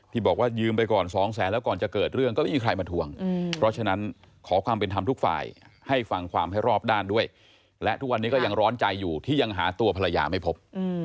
บอกว่ายืมไปก่อนสองแสนแล้วก่อนจะเกิดเรื่องก็ไม่มีใครมาทวงเพราะฉะนั้นขอความเป็นธรรมทุกฝ่ายให้ฟังความให้รอบด้านด้วยและทุกวันนี้ก็ยังร้อนใจอยู่ที่ยังหาตัวภรรยาไม่พบ